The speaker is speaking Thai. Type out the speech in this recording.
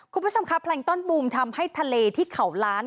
คุณผู้ชมครับแพลงต้อนบูมทำให้ทะเลที่เขาล้าน